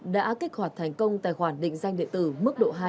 đã kích hoạt thành công tài khoản định danh điện tử mức độ hai